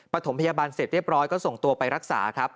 ถมพยาบาลเสร็จเรียบร้อยก็ส่งตัวไปรักษาครับ